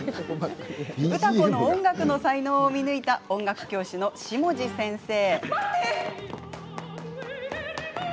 歌子の音楽の才能を見抜いた音楽教師の下地先生。